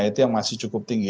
itu yang masih cukup tinggi